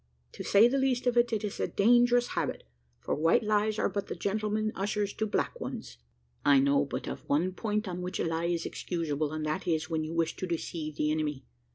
To say the least of it, it is a dangerous habit, for white lies are but the gentlemen ushers to black ones. I know but of one point on which a lie is excusable, and that is, when you wish to deceive the enemy.